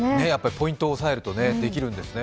ポイントを押さえるとできるんですね。